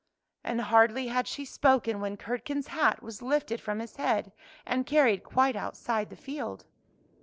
" And hardly had she spoken when Curd ken's hat was lifted from his head, and carried quite outside the field.